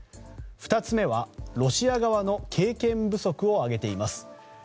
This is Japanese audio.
２つ目は、ロシア側の経験不足を挙げています。